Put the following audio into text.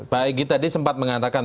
pak egy tadi sempat mengatakan